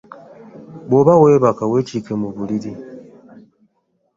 Bwoba weebaka wekiike mu buliri.